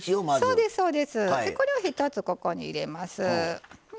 これを１つ、ここに入れます。